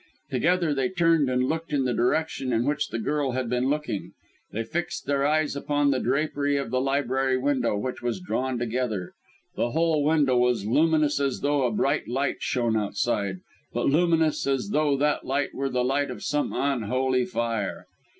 Together they turned and looked in the direction in which the girl had been looking. They fixed their eyes upon the drapery of the library window which was drawn together. The whole window was luminous as though a bright light shone outside, but luminous, as though that light were the light of some unholy fire!